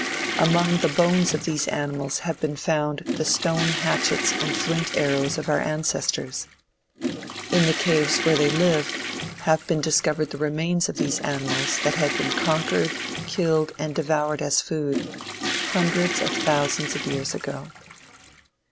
Among the bones of these animals have been found the stone hatchets and flint arrows of our ancestors. In the caves where they lived have been discovered the remains of these animals that had been conquered, killed and devoured as food, hundreds of thousands of years ago.